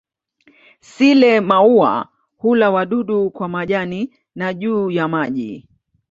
Sile-maua hula wadudu kwa majani na juu ya maji.